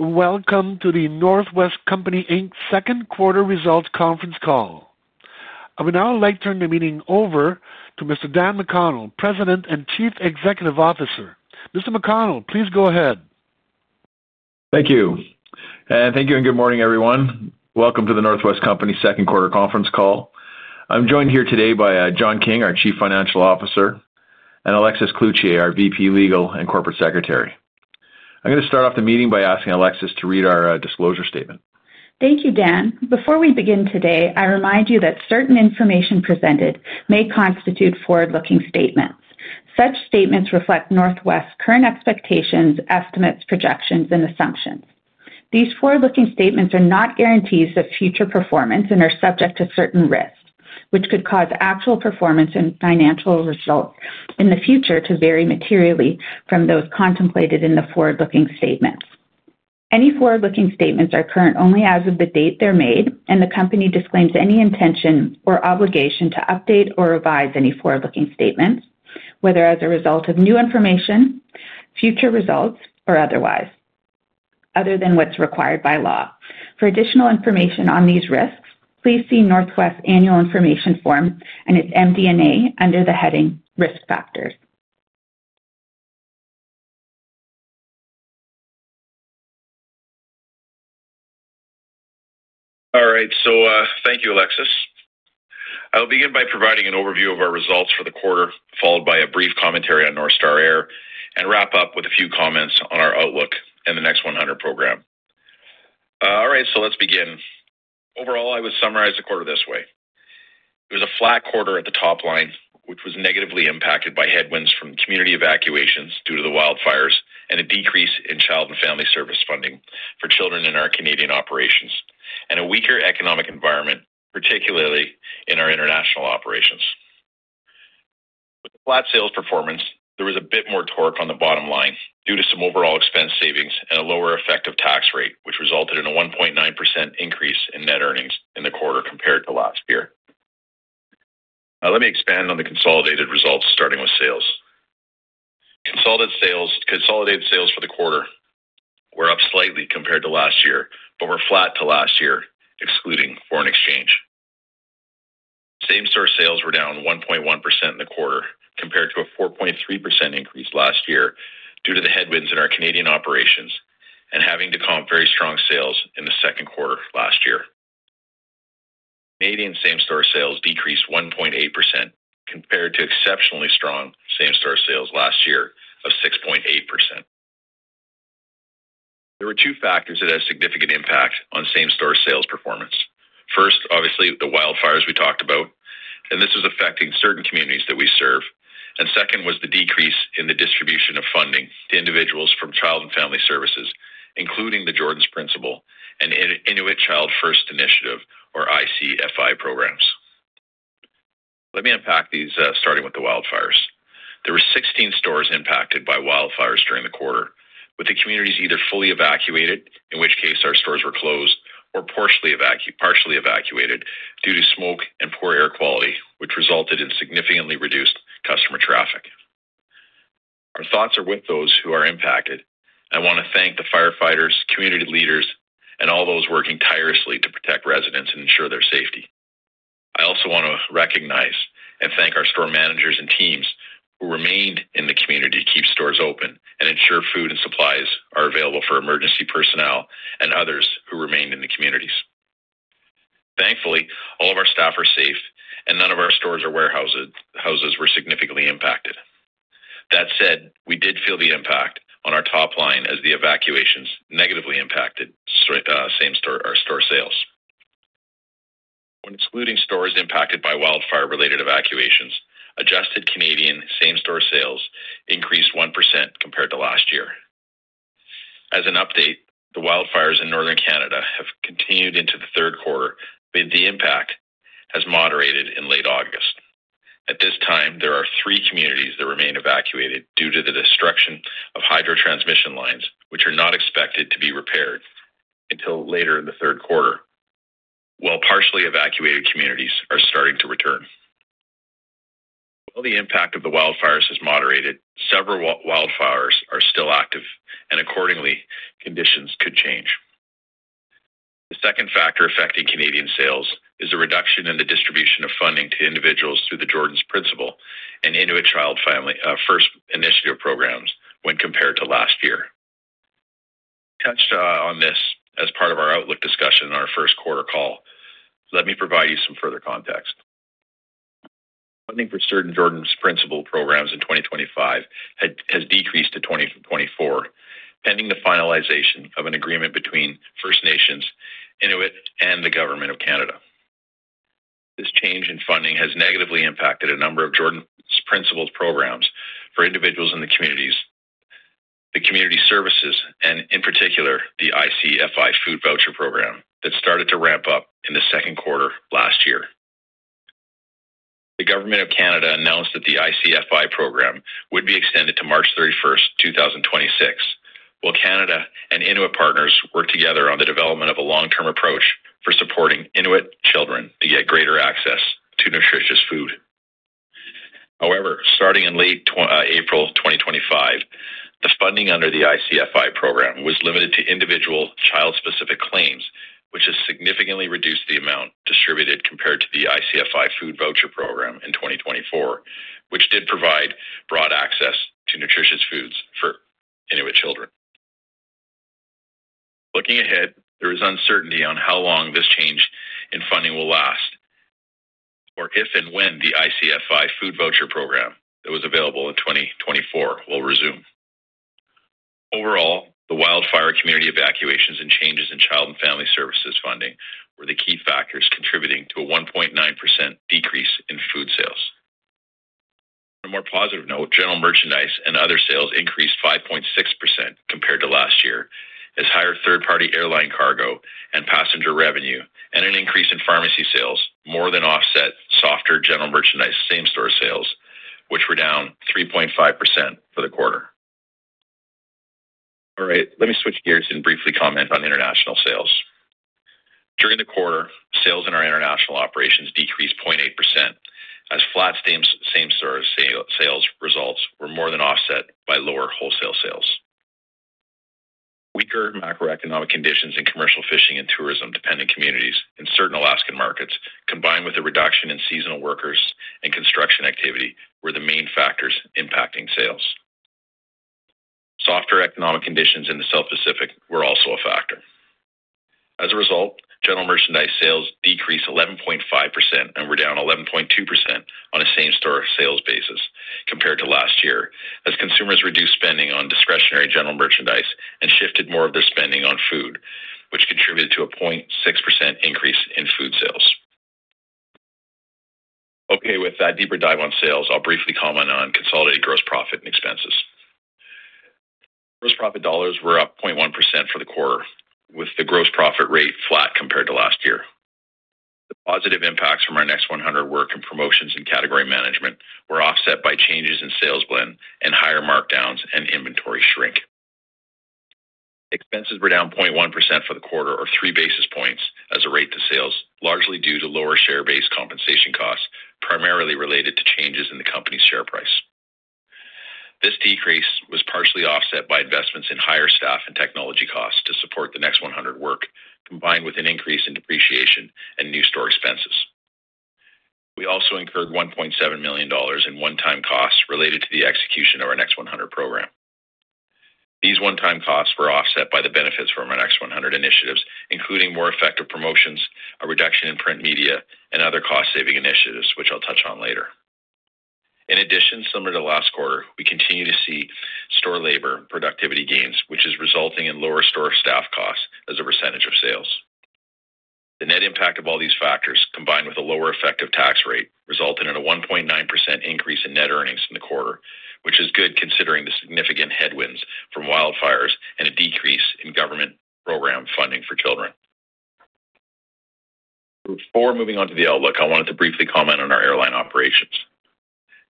Welcome to The North West Company Inc. Second Quarter Results Conference Call. I would now like to turn the meeting over to Mr. Dan McConnell, President and Chief Executive Officer. Mr. McConnell, please go ahead. Thank you. Thank you, and good morning, everyone. Welcome to The North West Company's Second Quarter Conference Call. I'm joined here today by John King, our Chief Financial Officer, and Alexis Cloutier, our VP, Legal and Corporate Secretary. I'm going to start off the meeting by asking Alexis to read our disclosure statement. Thank you, Dan. Before we begin today, I remind you that certain information presented may constitute forward-looking statements. Such statements reflect The North West's current expectations, estimates, projections, and assumptions. These forward-looking statements are not guarantees of future performance and are subject to certain risks, which could cause actual performance and financial results in the future to vary materially from those contemplated in the forward-looking statements. Any forward-looking statements are current only as of the date they're made, and the company disclaims any intention or obligation to update or revise any forward-looking statements, whether as a result of new information, future results, or otherwise, other than what's required by law. For additional information on these risks, please see North West's annual information form and its MD&A under the heading Risk Factors. All right, thank you, Alexis. I'll begin by providing an overview of our results for the quarter, followed by a brief commentary on North Star Air, and wrap up with a few comments on our outlook in the Next100 program. All right, let's begin. Overall, I would summarize the quarter this way. It was a flat quarter at the top line, which was negatively impacted by headwinds from community evacuations due to the wildfires and a decrease in child and family services funding for children in our Canadian operations, and a weaker economic environment, particularly in our international operations. With the flat sales performance, there was a bit more torque on the bottom line due to some overall expense savings and a lower effective tax rate, which resulted in a 1.9% increase in net earnings in the quarter compared to last year. Now, let me expand on the consolidated results, starting with sales. Consolidated sales for the quarter were up slightly compared to last year, but were flat to last year, excluding foreign exchange. Same-store sales were down 1.1% in the quarter compared to a 4.3% increase last year due to the headwinds in our Canadian operations and having to comp very strong sales in the second quarter last year. Canadian same-store sales decreased 1.8% compared to exceptionally strong same-store sales last year of 6.8%. There were two factors that had a significant impact on same-store sales performance. First, obviously, the wildfires we talked about, and this was affecting certain communities that we serve. Second was the decrease in the distribution of funding to individuals from child and family services, including the Jordan’s Principle and Inuit Child First Initiative, or ICFI, programs. Let me unpack these, starting with the wildfires. There were 16 stores impacted by wildfires during the quarter, with the communities either fully evacuated, in which case our stores were closed, or partially evacuated due to smoke and poor air quality, which resulted in significantly reduced customer traffic. Our thoughts are with those who are impacted, and I want to thank the firefighters, community leaders, and all those working tirelessly to protect residents and ensure their safety. I also want to recognize and thank our store managers and teams who remained in the community to keep stores open and ensure food and supplies are available for emergency personnel and others who remained in the communities. Thankfully, all of our staff are safe, and none of our stores or warehouses were significantly impacted. That said, we did feel the impact on our top line as the evacuations negatively impacted same-store sales. When excluding stores impacted by wildfire-related evacuations, adjusted Canadian same-store sales increased 1% compared to last year. As an update, the wildfires in Northern Canada have continued into the third quarter, but the impact has moderated in late August. At this time, there are three communities that remain evacuated due to the destruction of hydro transmission lines, which are not expected to be repaired until later in the third quarter, while partially evacuated communities are starting to return. While the impact of the wildfires has moderated, several wildfires are still active, and accordingly, conditions could change. The second factor affecting Canadian sales is the reduction in the distribution of funding to individuals through the Jordan’s Principle and Inuit Child First Initiative programs when compared to last year. We touched on this as part of our outlook discussion in our first quarter call. Let me provide you some further context. Funding for certain Jordan’s Principle programs in 2025 has decreased to 2024, pending the finalization of an agreement between First Nations, Inuit, and the Government of Canada. This change in funding has negatively impacted a number of Jordan’s Principle programs for individuals in the communities, the community services, and in particular, the ICFI Food Voucher program that started to ramp up in the second quarter last year. The Government of Canada announced that the ICFI program would be extended to March 31, 2026, while Canada and Inuit partners work together on the development of a long-term approach for supporting Inuit children to get greater access to nutritious food. However, starting in late April 2025, the funding under the ICFI program was limited to individual child-specific claims, which has significantly reduced the amount distributed compared to the ICFI Food Voucher program in 2024, which did provide broad access to nutritious foods for Inuit children. Looking ahead, there is uncertainty on how long this change in funding will last, or if and when the ICFI Food Voucher program that was available in 2024 will resume. Overall, the wildfire community evacuations and changes in child and family services funding were the key factors contributing to a 1.9% decrease in food sales. On a more positive note, general merchandise and other sales increased 5.6% compared to last year, as higher third-party airline cargo and passenger revenue and an increase in pharmacy sales more than offset softer general merchandise same-store sales, which were down 3.5% for the quarter. All right, let me switch gears and briefly comment on international sales. During the quarter, sales in our international operations decreased 0.8%, as flat same-store sales results were more than offset by lower wholesale sales. Weaker macroeconomic conditions in commercial fishing and tourism-dependent communities and certain Alaskan markets, combined with a reduction in seasonal workers and construction activity, were the main factors impacting sales. Softer economic conditions in the South Pacific were also a factor. As a result, general merchandise sales decreased 11.5% and were down 11.2% on a same-store sales basis compared to last year, as consumers reduced spending on discretionary general merchandise and shifted more of their spending on food, which contributed to a 0.6% increase in food sales. Okay, with that deeper dive on sales, I'll briefly comment on consolidated gross profit and expenses. Gross profit dollars were up 0.1% for the quarter, with the gross profit rate flat compared to last year. The positive impacts from our Next100 work in promotions and category management were offset by changes in sales blend and higher markdowns and inventory shrink. Expenses were down 0.1% for the quarter, or three basis points, as a rate to sales, largely due to lower share-based compensation costs, primarily related to changes in the company's share price. This decrease was partially offset by investments in higher staff and technology costs to support the Next100 work, combined with an increase in depreciation and new store expenses. We also incurred $1.7 million in one-time costs related to the execution of our Next100 program. These one-time costs were offset by the benefits from our Next100 initiatives, including more effective promotions, a reduction in print media, and other cost-saving initiatives, which I'll touch on later. In addition, similar to last quarter, we continue to see store labor productivity gains, which is resulting in lower store staff costs as a percentage of sales. The net impact of all these factors, combined with a lower effective tax rate, resulted in a 1.9% increase in net earnings in the quarter, which is good considering the significant headwinds from wildfires and a decrease in government program funding for children. Before moving on to the outlook, I wanted to briefly comment on our airline operations.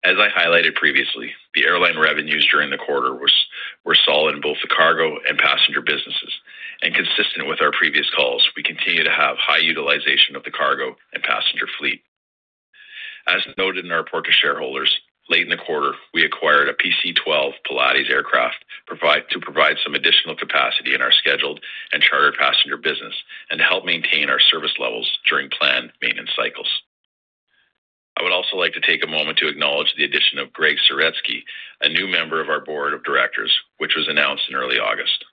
As I highlighted previously, the airline revenues during the quarter were solid in both the cargo and passenger businesses, and consistent with our previous calls, we continue to have high utilization of the cargo and passenger fleet. As noted in our report to shareholders, late in the quarter, we acquired a PC-12 Pilatus aircraft to provide some additional capacity in our scheduled and chartered passenger business and to help maintain our service levels during planned maintenance cycles. I would also like to take a moment to acknowledge the addition of Gregg Saretsky, a new member of our Board of Directors, which was announced in early August.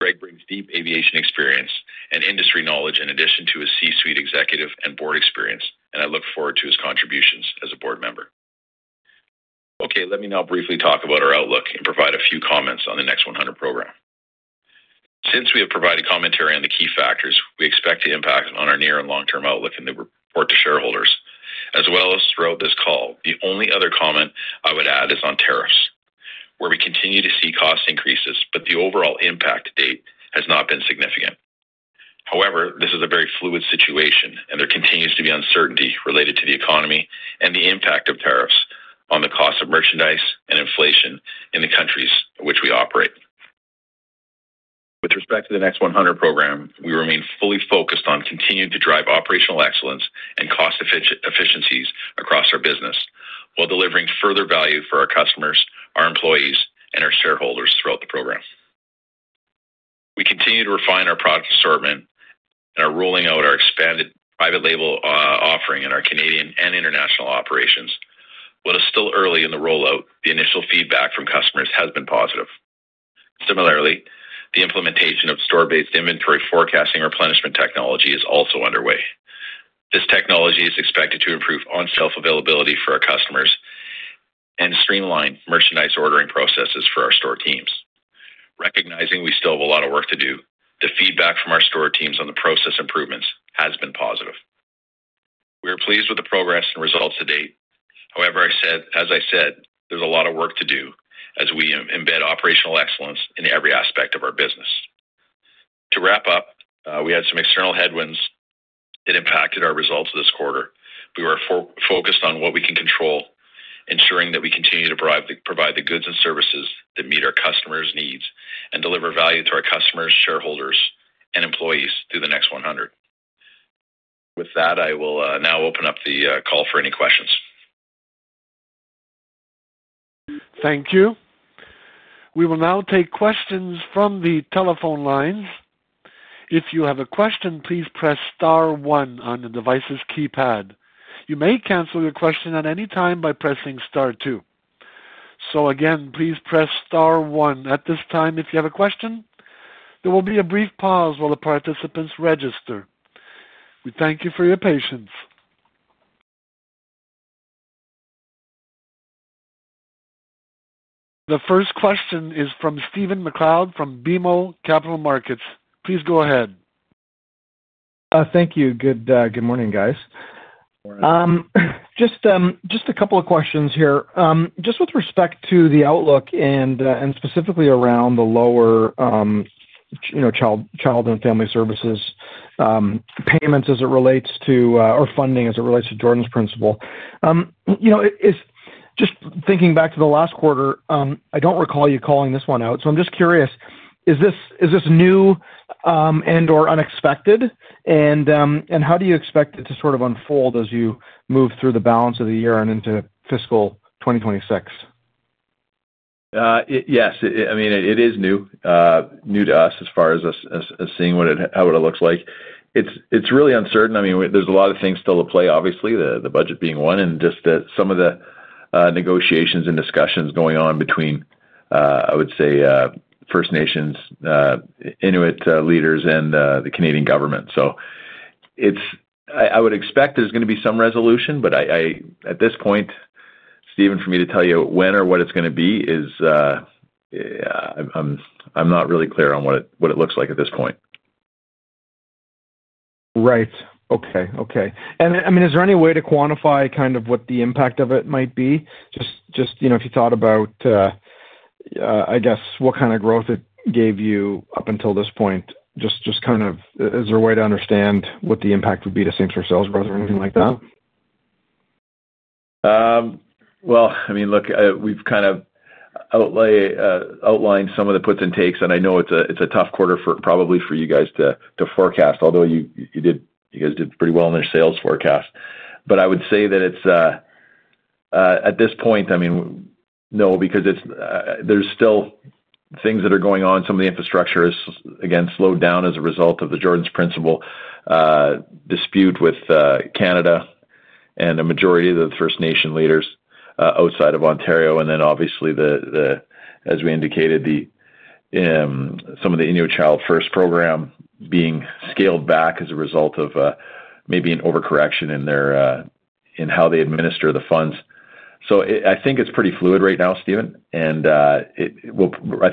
Greg brings deep aviation experience and industry knowledge in addition to his C-suite executive and board experience, and I look forward to his contributions as a board member. Okay, let me now briefly talk about our outlook and provide a few comments on the Next100 program. Since we have provided commentary on the key factors, we expect the impact on our near and long-term outlook in the report to shareholders, as well as throughout this call. The only other comment I would add is on tariffs, where we continue to see cost increases, but the overall impact to date has not been significant. However, this is a very fluid situation, and there continues to be uncertainty related to the economy and the impact of tariffs on the cost of merchandise and inflation in the countries in which we operate. With respect to the Next100 program, we remain fully focused on continuing to drive operational excellence and cost efficiencies across our business, while delivering further value for our customers, our employees, and our shareholders throughout the program. We continue to refine our product assortment and are rolling out our expanded private label offering in our Canadian and international operations. While it is still early in the rollout, the initial feedback from customers has been positive. Similarly, the implementation of store-based inventory forecasting replenishment technology is also underway. This technology is expected to improve on-shelf availability for our customers and streamline merchandise ordering processes for our store teams. Recognizing we still have a lot of work to do, the feedback from our store teams on the process improvements has been positive. We are pleased with the progress and results to date. However, as I said, there's a lot of work to do as we embed operational excellence in every aspect of our business. To wrap up, we had some external headwinds that impacted our results for this quarter. We were focused on what we can control, ensuring that we continue to provide the goods and services that meet our customers' needs and deliver value to our customers, shareholders, and employees through the Next100 program. With that, I will now open up the call for any questions. Thank you. We will now take questions from the telephone line. If you have a question, please press star one on the device's keypad. You may cancel your question at any time by pressing star two. Again, please press star one at this time if you have a question. There will be a brief pause while the participants register. We thank you for your patience. The first question is from Stephen MacLeod from BMO Capital Markets. Please go ahead. Thank you. Good morning, guys. Just a couple of questions here. Just with respect to the outlook and specifically around the lower child and family services funding as it relates to Jordan’s Principle. Just thinking back to the last quarter, I don't recall you calling this one out. I'm just curious, is this new and/or unexpected? How do you expect it to sort of unfold as you move through the balance of the year and into fiscal 2026? Yes, it is new to us as far as seeing what it looks like. It's really uncertain. There are a lot of things still at play, obviously, the budget being one, and just some of the negotiations and discussions going on between, I would say, First Nations, Inuit leaders, and the Canadian government. I would expect there's going to be some resolution, but at this point, Stephen, for me to tell you when or what it's going to be, I'm not really clear on what it looks like at this point. Right. Okay. Is there any way to quantify what the impact of it might be? If you thought about what kind of growth it gave you up until this point, is there a way to understand what the impact would be to same-store sales growth or anything like that? I mean, look, we've kind of outlined some of the puts and takes, and I know it's a tough quarter probably for you guys to forecast, although you guys did pretty well in your sales forecast. I would say that it's, at this point, I mean, no, because there's still things that are going on. Some of the infrastructure is, again, slowed down as a result of the Jordan’s Principle dispute with Canada and a majority of the First Nation leaders outside of Ontario. Obviously, as we indicated, some of the Inuit Child First programme being scaled back as a result of maybe an overcorrection in how they administer the funds. I think it's pretty fluid right now, Stephen. I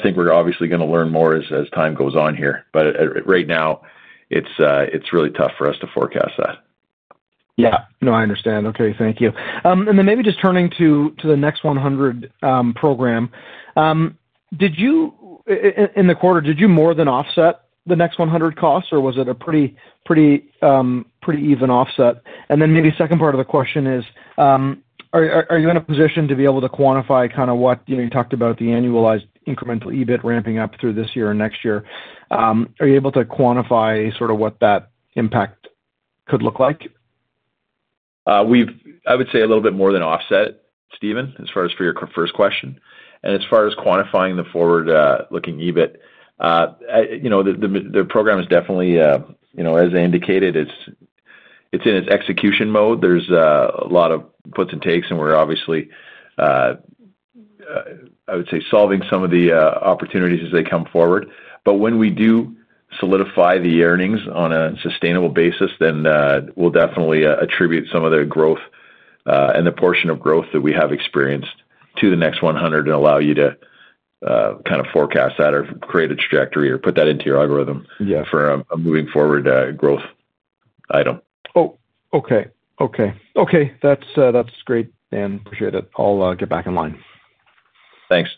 think we're obviously going to learn more as time goes on here. Right now, it's really tough for us to forecast that. Yeah. No, I understand. Thank you. Maybe just turning to the Next100 program, in the quarter, did you more than offset the Next100 costs, or was it a pretty even offset? Maybe the second part of the question is, are you in a position to be able to quantify kind of what, you know, you talked about the annualized incremental EBIT ramping up through this year and next year. Are you able to quantify sort of what that impact could look like? I would say a little bit more than offset, Stephen, as far as for your first question. As far as quantifying the forward-looking EBIT, the program is definitely, as I indicated, it's in its execution mode. There's a lot of puts and takes, and we're obviously, I would say, solving some of the opportunities as they come forward. When we do solidify the earnings on a sustainable basis, we'll definitely attribute some of the growth and the portion of growth that we have experienced to the Next100 and allow you to kind of forecast that or create a trajectory or put that into your algorithm for a moving forward growth item. Okay. Okay. That's great, Dan. Appreciate it. I'll get back in line. Thanks.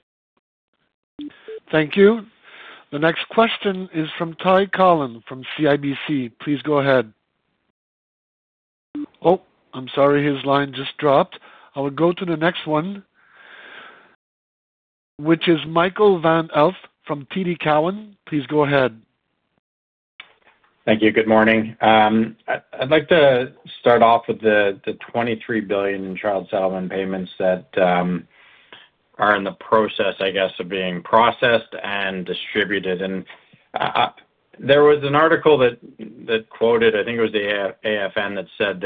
Thank you. The next question is from Ty Collin from CIBC. Please go ahead. I'm sorry, his line just dropped. I will go to the next one, which is Michael Van Aelst from TD Cowen. Please go ahead. Thank you. Good morning. I'd like to start off with the $23 billion in child settlement payments that are in the process of being processed and distributed. There was an article that quoted, I think it was the AFN, that said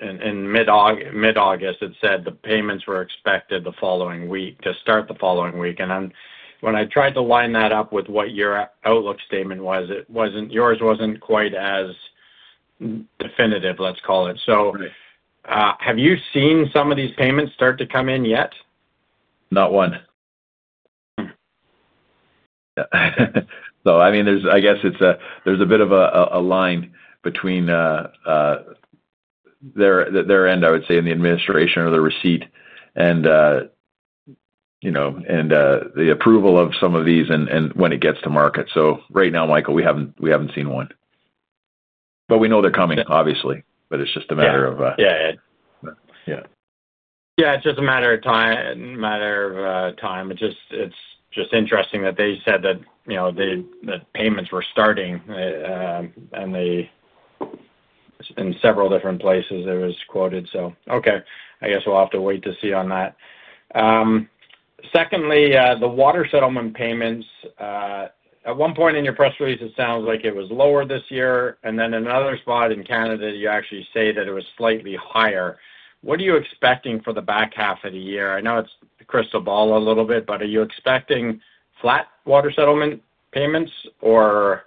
in mid-August the payments were expected the following week to start the following week. When I tried to line that up with what your outlook statement was, it wasn't, yours wasn't quite as definitive, let's call it. Have you seen some of these payments start to come in yet? Not one. I mean, there's a bit of a line between their end, I would say, in the administration or the receipt and the approval of some of these and when it gets to market. Right now, Michael, we haven't seen one. We know they're coming, obviously. It's just a matter of time. It's just a matter of time. It's interesting that they said the payments were starting and in several different places, it was quoted. I guess we'll have to wait to see on that. Secondly, the water settlement payments, at one point in your press release, it sounds like it was lower this year. In another spot in Canada, you actually say that it was slightly higher. What are you expecting for the back half of the year? I know it's a crystal ball a little bit, but are you expecting flat water settlement payments, or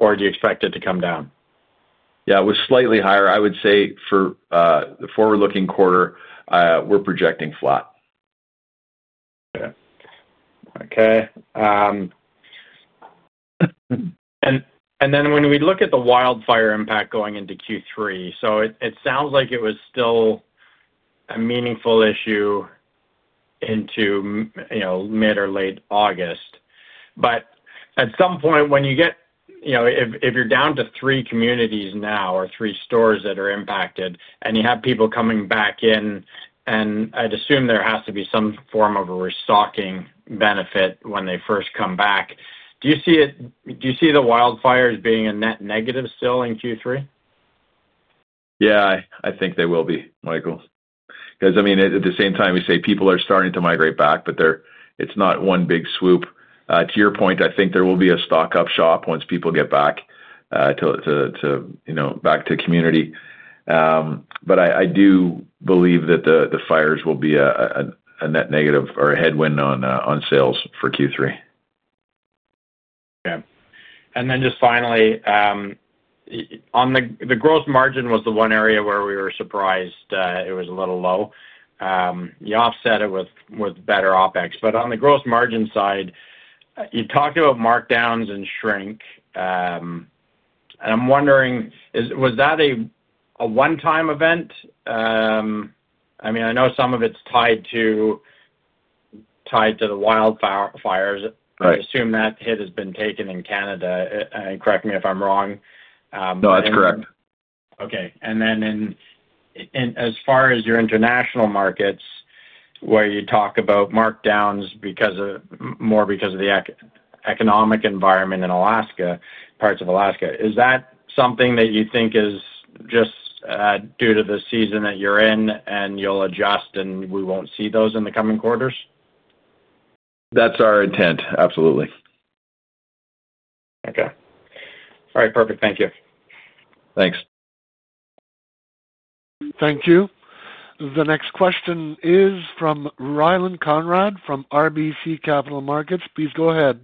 do you expect it to come down? Yeah, it was slightly higher. I would say for the forward-looking quarter, we're projecting flat. Okay. When we look at the wildfire impact going into Q3, it sounds like it was still a meaningful issue into mid or late August. At some point, when you get, if you're down to three communities now or three stores that are impacted, and you have people coming back in, I'd assume there has to be some form of a restocking benefit when they first come back. Do you see the wildfires being a net negative still in Q3? Yeah, I think they will be, Michael. I mean, at the same time, we say people are starting to migrate back, but it's not one big swoop. To your point, I think there will be a stock-up shop once people get back to, you know, back to community. I do believe that the fires will be a net negative or a headwind on sales for Q3. Okay. Finally, on the gross margin, it was the one area where we were surprised it was a little low. You offset it with better OpEx. On the gross margin side, you talked about markdowns and shrink. I'm wondering, was that a one-time event? I know some of it's tied to the wildfires. I assume that hit has been taken in Canada. Correct me if I'm wrong. No, that's correct. Okay. As far as your international markets, where you talk about markdowns more because of the economic environment in Alaska, parts of Alaska, is that something that you think is just due to the season that you're in and you'll adjust and we won't see those in the coming quarters? That's our intent, absolutely. Okay. All right. Perfect. Thank you. Thanks. Thank you. The next question is from Rylan Conrad from RBC Capital Markets. Please go ahead.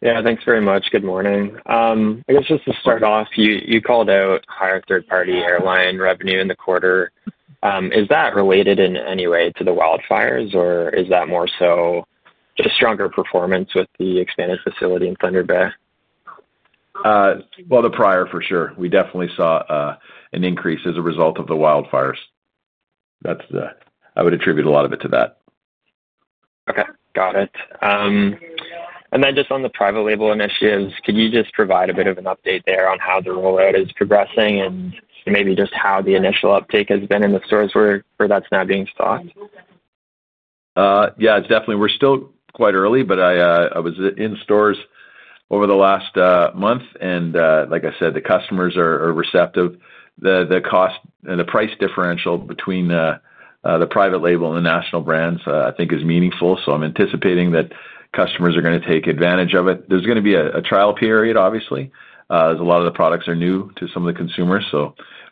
Yeah, thanks very much. Good morning. I guess just to start off, you called out higher third-party airline revenue in the quarter. Is that related in any way to the wildfires, or is that more so the stronger performance with the expanded facility in Thunder Bay? The prior for sure. We definitely saw an increase as a result of the wildfires. I would attribute a lot of it to that. Okay. Got it. On the private label initiatives, could you just provide a bit of an update there on how the rollout is progressing and maybe just how the initial uptake has been in the stores where that's now being stocked? Yeah, definitely. We're still quite early, but I was in stores over the last month. Like I said, the customers are receptive. The cost and the price differential between the private label and the national brands, I think, is meaningful. I am anticipating that customers are going to take advantage of it. There is going to be a trial period, obviously, as a lot of the products are new to some of the consumers.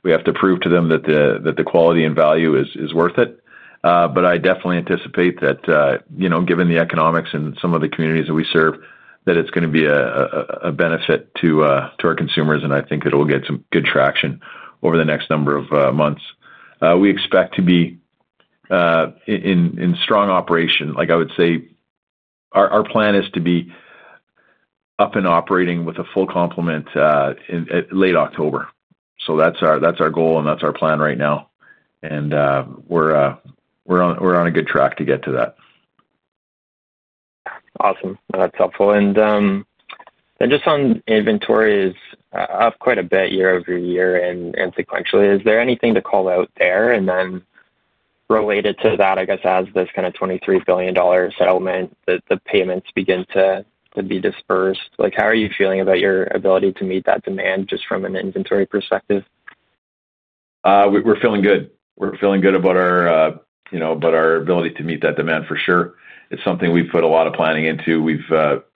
We have to prove to them that the quality and value is worth it. I definitely anticipate that, given the economics and some of the communities that we serve, it's going to be a benefit to our consumers. I think it'll get some good traction over the next number of months. We expect to be in strong operation. I would say our plan is to be up and operating with a full complement in late October. That is our goal and that's our plan right now. We're on a good track to get to that. Awesome. That's helpful. Just on inventories, up quite a bit year-over-year and sequentially, is there anything to call out there? Related to that, I guess, as this kind of $23 billion settlement, the payments begin to be dispersed. How are you feeling about your ability to meet that demand just from an inventory perspective? We're feeling good. We're feeling good about our, you know, about our ability to meet that demand for sure. It's something we've put a lot of planning into. We've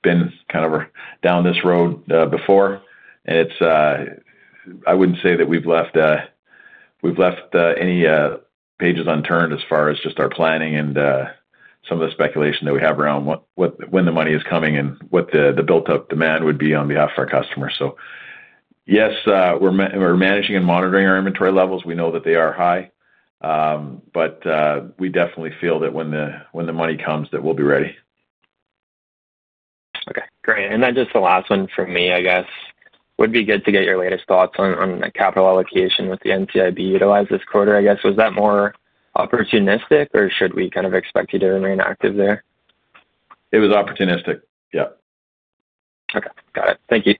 been kind of down this road before. I wouldn't say that we've left any pages unturned as far as just our planning and some of the speculation that we have around when the money is coming and what the built-up demand would be on behalf of our customers. Yes, we're managing and monitoring our inventory levels. We know that they are high, but we definitely feel that when the money comes, that we'll be ready. Okay. Great. Just the last one from me, I guess. Would be good to get your latest thoughts on the capital allocation with the NTIB utilized this quarter. Was that more opportunistic, or should we kind of expect you to remain active there? It was opportunistic. Yeah. Okay. Got it. Thank you.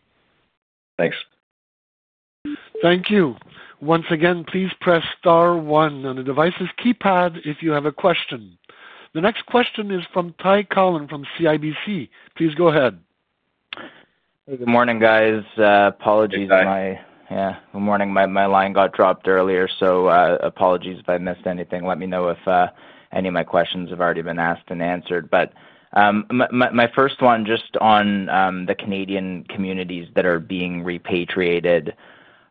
Thanks. Thank you. Once again, please press star one on the device's keypad if you have a question. The next question is from Ty Collin from CIBC. Please go ahead. Hey, good morning, guys. Apologies. Good morning. My line got dropped earlier, so apologies if I missed anything. Let me know if any of my questions have already been asked and answered. My first one, just on the Canadian communities that are being repatriated.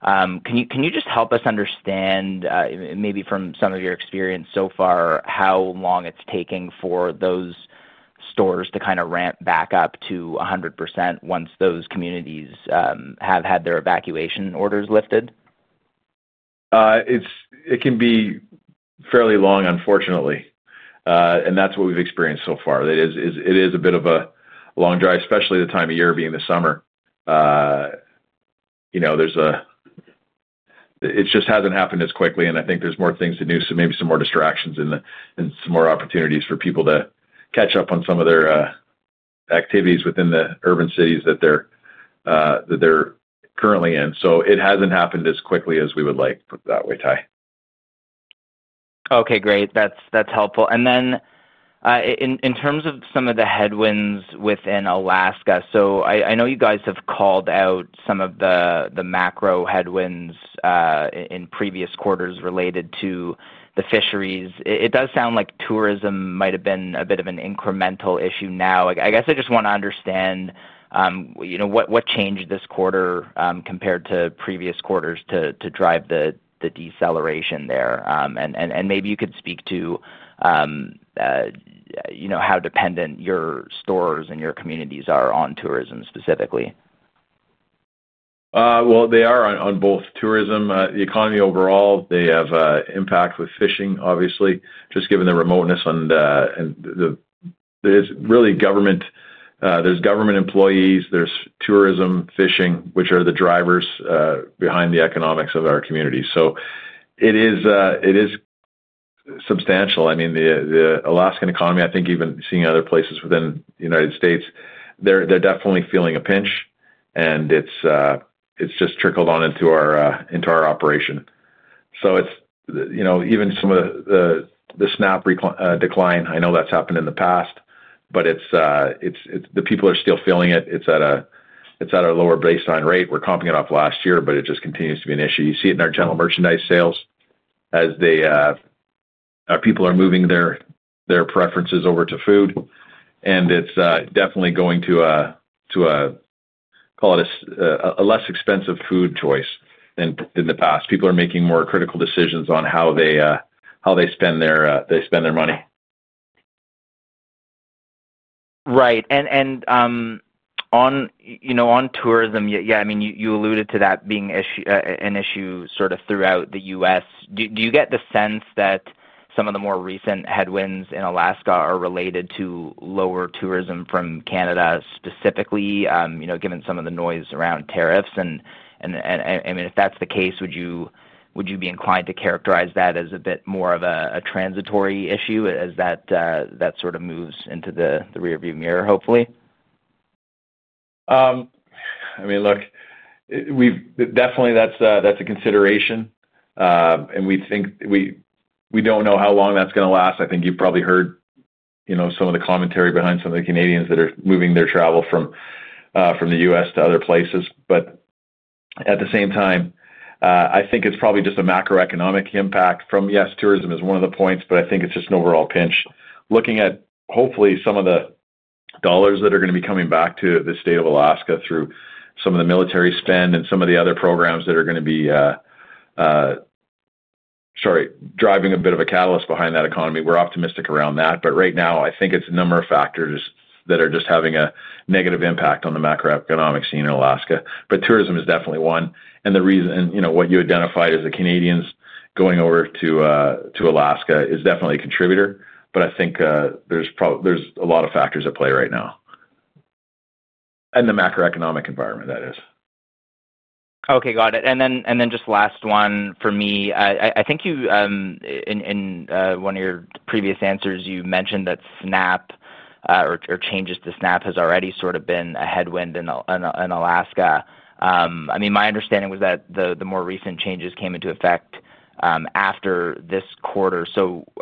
Can you help us understand, maybe from some of your experience so far, how long it's taking for those stores to ramp back up to 100% once those communities have had their evacuation orders lifted? It can be fairly long, unfortunately. That's what we've experienced so far. It is a bit of a long drive, especially the time of year being the summer. It just hasn't happened as quickly. I think there's more things to do, maybe some more distractions and some more opportunities for people to catch up on some of their activities within the urban cities that they're currently in. It hasn't happened as quickly as we would like. Put it that way, Ty. Okay, great. That's helpful. In terms of some of the headwinds within Alaska, I know you guys have called out some of the macro headwinds in previous quarters related to the fisheries. It does sound like tourism might have been a bit of an incremental issue now. I just want to understand what changed this quarter compared to previous quarters to drive the deceleration there. Maybe you could speak to how dependent your stores and your communities are on tourism specifically. They are on both tourism. The economy overall, they have an impact with fishing, obviously, just given the remoteness. There's really government, there's government employees, there's tourism, fishing, which are the drivers behind the economics of our communities. It is substantial. I mean, the Alaskan economy, I think even seeing other places within the United States, they're definitely feeling a pinch, and it's just trickled on into our operation. Even some of the SNAP decline, I know that's happened in the past, but people are still feeling it. It's at a lower baseline rate. We're comping it off last year, but it just continues to be an issue. You see it in our general merchandise sales as our people are moving their preferences over to food. It's definitely going to a, call it a less expensive food choice than in the past. People are making more critical decisions on how they spend their money. Right. On tourism, yeah, you alluded to that being an issue throughout the U.S. Do you get the sense that some of the more recent headwinds in Alaska are related to lower tourism from Canada specifically, given some of the noise around tariffs? If that's the case, would you be inclined to characterize that as a bit more of a transitory issue as that moves into the rearview mirror, hopefully? I mean, look, definitely that's a consideration. We think we don't know how long that's going to last. I think you've probably heard some of the commentary behind some of the Canadians that are moving their travel from the U.S. to other places. At the same time, I think it's probably just a macroeconomic impact from, yes, tourism is one of the points, but I think it's just an overall pinch. Looking at hopefully some of the dollars that are going to be coming back to the state of Alaska through some of the military spend and some of the other programs that are going to be driving a bit of a catalyst behind that economy. We're optimistic around that. Right now, I think it's a number of factors that are just having a negative impact on the macroeconomic scene in Alaska. Tourism is definitely one. The reason, you know, what you identified as the Canadians going over to Alaska is definitely a contributor. I think there's a lot of factors at play right now and the macroeconomic environment, that is. Okay, got it. Just last one for me. I think you, in one of your previous answers, mentioned that SNAP or changes to SNAP has already sort of been a headwind in Alaska. My understanding was that the more recent changes came into effect after this quarter.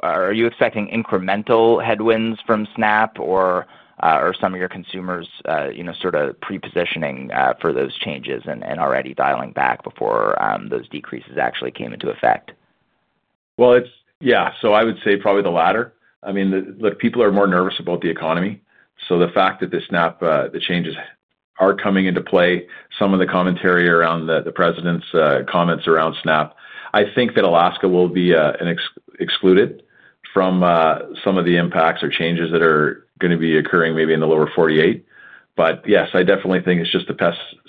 Are you expecting incremental headwinds from SNAP, or are some of your consumers, you know, sort of pre-positioning for those changes and already dialing back before those decreases actually came into effect? I would say probably the latter. I mean, look, people are more nervous about the economy. The fact that the changes are coming into play, some of the commentary around the president's comments around SNAP, I think that Alaska will be excluded from some of the impacts or changes that are going to be occurring maybe in the lower 48. Yes, I definitely think it's just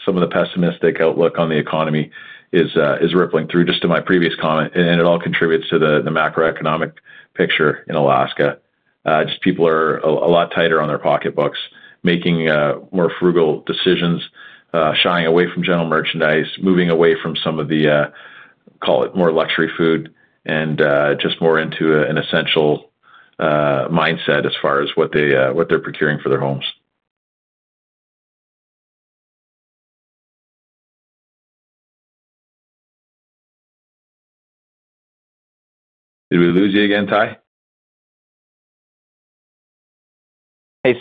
some of the pessimistic outlook on the economy is rippling through, just to my previous comment. It all contributes to the macroeconomic picture in Alaska. People are a lot tighter on their pocketbooks, making more frugal decisions, shying away from general merchandise, moving away from some of the, call it, more luxury food, and just more into an essential mindset as far as what they're procuring for their homes. Did we lose you again, Ty?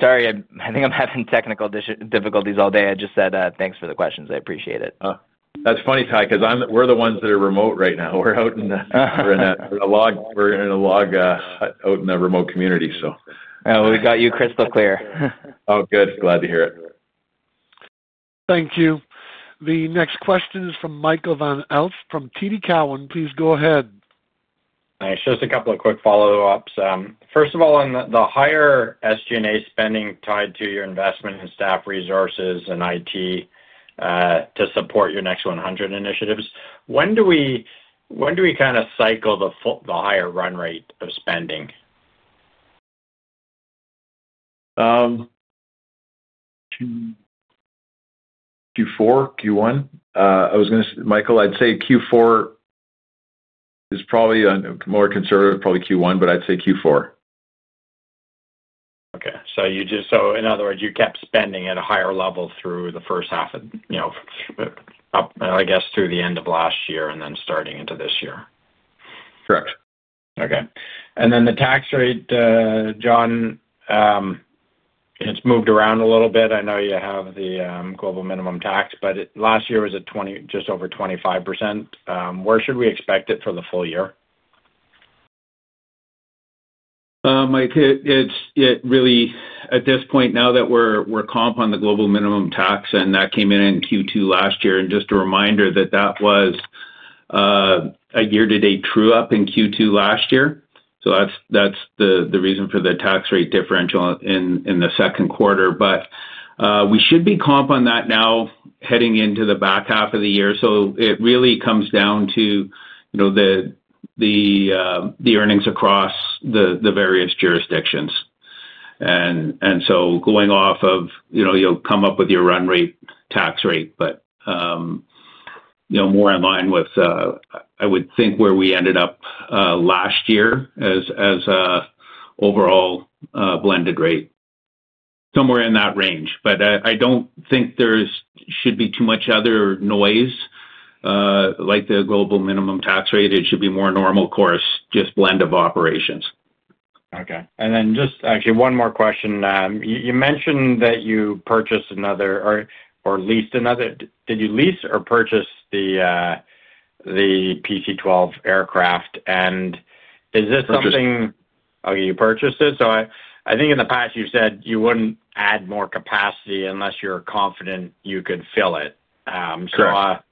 Sorry, I think I'm having technical difficulties all day. I just said thanks for the questions. I appreciate it. That's funny, Ty, because we're the ones that are remote right now. We're out in a log, we're in a log out in a remote community. Oh, we got you crystal clear. Oh, good. Glad to hear it. Thank you. The next question is from Michael Van Aelst from TD Cowen. Please go ahead. Thanks. Just a couple of quick follow-ups. First of all, on the higher SG&A spending tied to your investment in staff resources and IT to support your Next100 program initiatives, when do we kind of cycle the higher run rate of spending? Q4, Q1? I'd say Q4 is probably more conservative, probably Q1, but I'd say Q4. Okay, in other words, you kept spending at a higher level through the first-half of, I guess, through the end of last year and then starting into this year. Correct. Okay. The tax rate, John, it's moved around a little bit. I know you have the global minimum tax, but last year was at just over 25%. Where should we expect it for the full year? I think it's really, at this point, now that we're comping on the global minimum tax, and that came in in Q2 last year. Just a reminder that that was a year-to-date true up in Q2 last year. That's the reason for the tax rate differential in the second quarter. We should be comping on that now heading into the back half of the year. It really comes down to the earnings across the various jurisdictions. Going off of, you'll come up with your run rate tax rate, but more in line with, I would think, where we ended up last year as an overall blended rate. Somewhere in that range. I don't think there should be too much other noise like the global minimum tax rate. It should be more normal course just blend of operations. Okay. Just actually one more question. You mentioned that you purchased another or leased another. Did you lease or purchase the PC-12 aircraft? And is this something? Purchased. Okay, you purchased it. I think in the past you said you wouldn't add more capacity unless you're confident you could fill it. Correct.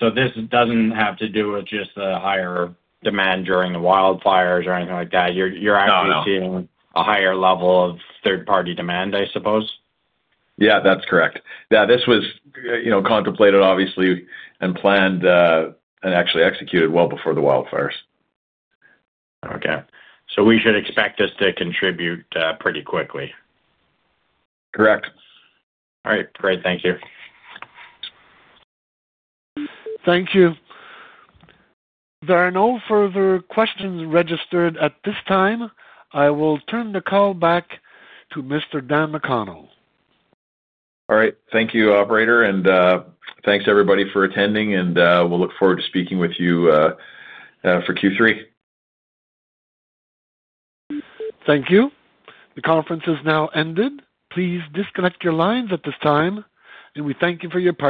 This doesn't have to do with just the higher demand during the wildfires or anything like that. You're actually seeing a higher level of third-party demand, I suppose. Yeah, that's correct. This was, you know, contemplated, obviously, and planned and actually executed well before the wildfires. Okay, we should expect this to contribute pretty quickly. Correct. All right. Great. Thank you. Thank you. There are no further questions registered at this time. I will turn the call back to Mr. Daniel McConnell. All right. Thank you, operator. Thank you everybody for attending. We'll look forward to speaking with you for Q3. Thank you. The conference is now ended. Please disconnect your lines at this time. We thank you for your participation.